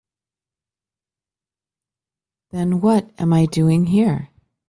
Then what am I doing here?